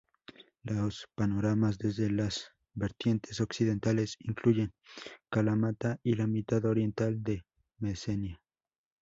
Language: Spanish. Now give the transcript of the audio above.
Los panoramas desde las vertientes occidentales incluyen Kalamata y la mitad oriental de Mesenia.